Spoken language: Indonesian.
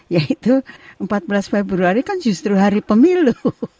yaitu empat belas februari kan justru hari pemilu